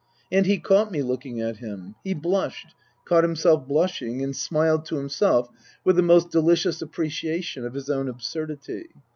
And he caught me looking at him ; he blushed, caught himself blushing and smiled to himself with the most delicious appreciation of his own absurdity.